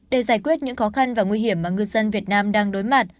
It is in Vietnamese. để giải quyết những khó khăn và nguy hiểm mà ngư dân việt nam đang đối mặt